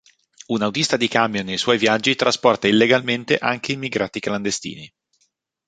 Un autista di camion nei suoi viaggi trasporta illegalmente anche immigrati clandestini.